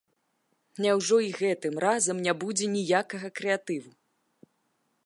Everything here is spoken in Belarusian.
Няўжо і гэтым разам не будзе ніякага крэатыву?